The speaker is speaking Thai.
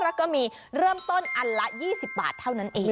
แล้วก็มีเริ่มต้นอันละ๒๐บาทเท่านั้นเอง